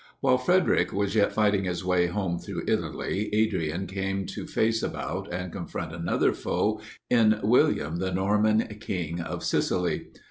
V. While Frederic was yet fighting his way home through Italy, Adrian had to face about and confront another foe in William, the Norman king of Sicily.